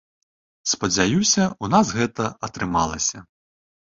Спадзяюся, у нас гэта атрымалася.